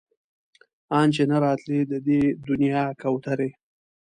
ان چې نه راتلی د دې دنيا کوترې